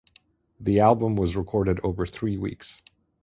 The album was recorded over three weeks.